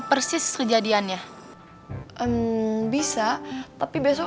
pergi kamu dari luar